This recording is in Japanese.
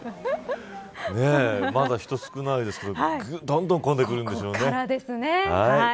まだ、人が少ないですがどんどん混んでくるんでしょうね。